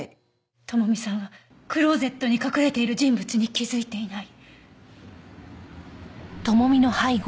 智美さんはクローゼットに隠れている人物に気づいていない。